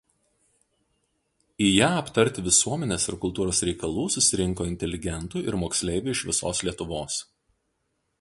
Į ją aptarti visuomenės ir kultūros reikalų susirinko inteligentų ir moksleivių iš visos Lietuvos.